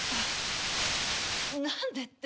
なんでって。